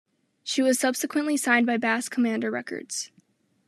She was subsequently signed by Bass Commander Records.